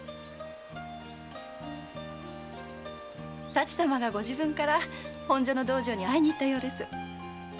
佐知様がご自分から本所の道場に会いに行ったようです。